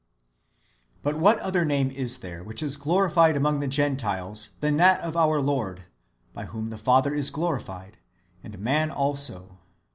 But what other name is there which is glorified among the Gentiles than that of our Lord, by whom the Father is glorified, and man also